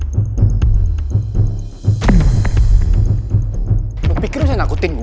kau pikir kau bisa menakutkan aku